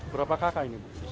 berapa kakak ini